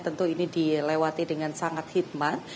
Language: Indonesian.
tentu ini dilewati dengan sangat hikmat